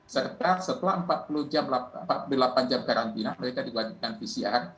serta setelah empat puluh delapan jam karantina mereka dibagikan pcr